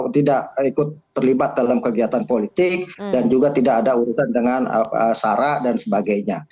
tidak ikut terlibat dalam kegiatan politik dan juga tidak ada urusan dengan sarah dan sebagainya